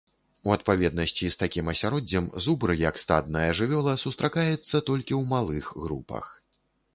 У адпаведнасці з такім асяроддзем, зубр, як стадная жывёла, сустракаецца толькі ў малых групах.